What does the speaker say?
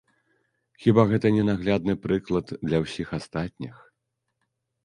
Хіба гэта не наглядны прыклад для ўсіх астатніх?